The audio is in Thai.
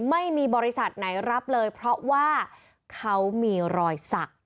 ไม่มีบริษัทไหนรับเลยเพราะว่าเขามีรอยสัก